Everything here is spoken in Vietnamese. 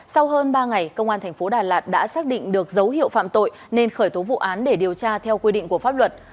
sau hơn ba ngày công an tp đà lạt đã xác định được dấu hiệu phạm tội nên khởi tố vụ án để điều tra theo quy định của pháp luật